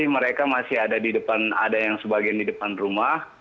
mereka masih ada di depan ada yang sebagian di depan rumah